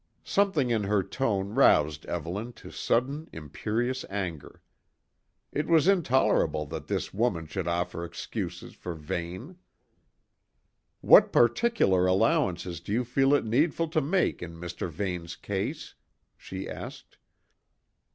Something in her tone roused Evelyn to sudden imperious anger. It was intolerable that this woman should offer excuses for Vane. "What particular allowances do you feel it needful to make in Mr. Vane's case?" she asked.